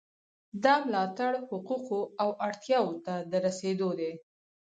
دا ملاتړ حقوقو او اړتیاوو ته د رسیدو دی.